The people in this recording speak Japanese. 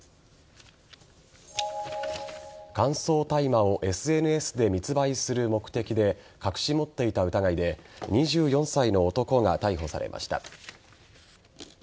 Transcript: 乾燥大麻をＳＮＳで密売する目的で隠し持っていた疑いで２４歳の男が逮捕されました。